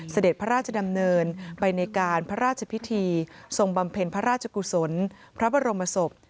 เสด็จพระราชดำเนินไปในการพระราชพิธีทรงบำเพ็ญพระราชกุศลพระบรมศพ